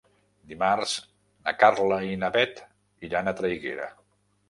Dimarts na Carla i na Bet iran a Traiguera.